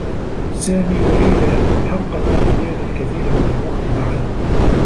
سامي و ليلى حقّا يقضيان الكثير من الوقت معا.